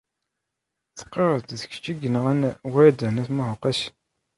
Tqarreḍ-d d kecc ay yenɣan Wrida n At Qasi Muḥ.